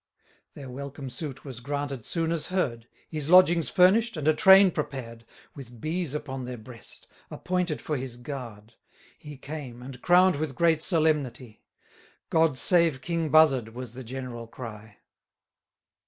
Their welcome suit was granted soon as heard, His lodgings furnish'd, and a train prepared, With B's upon their breast, appointed for his guard. He came, and crown'd with great solemnity; 1140 God save king Buzzard, was the general cry.